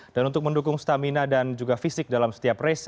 dan untuk mendukung stamina dan juga fisik dalam setiap race